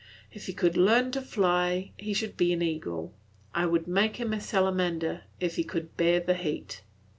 If he could learn to fly, he should be an eagle; I would make him a salamander, if he could bear the heat.